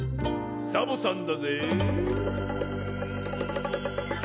「サボさんだぜぇ」